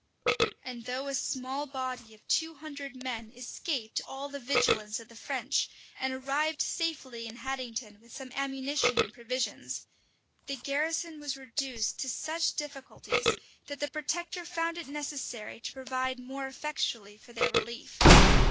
[*] And though a small body of two hundred men escaped all the vigilance of the French, and arrived safely in Haddington with some ammunition and provisions, the garrison was reduced to such difficulties, that the protector found it necessary to provide more effectually for their relief.